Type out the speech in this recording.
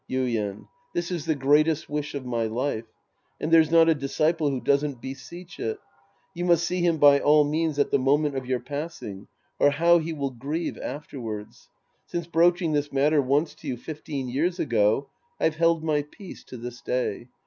Yuien. This is the greatest wish of my life. And there's not a disciple who doesn't beseech it. You must see him by all means at the moment of your pasang, or how he will grieve afterwards ! Since broaching this matter once to you fifteen years ago, I've held my peace to this day.